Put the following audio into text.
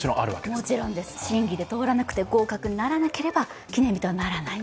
もちろんです、審議で通らなくて合格にならなければ記念日とはならない。